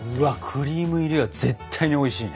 クリーム入りは絶対においしいね！